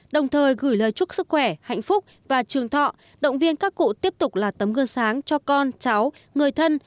đồng thời gửi lời chúc sức khỏe hạnh phúc và trường thọ động viên các cụ tiếp tục là tấm gương sáng cho con cháu người thân